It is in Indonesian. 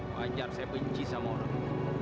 wajar saya benci sama orang